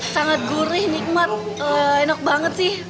sangat gurih nikmat enak banget sih